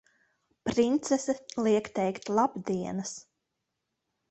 Princese liek teikt labdienas!